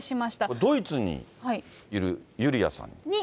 これ、ドイツにいるユリヤさんに。